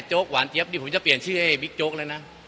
หวานเจี๊ยบนี่ผมจะเปลี่ยนชื่อให้บิ๊กโจ๊กเลยนะ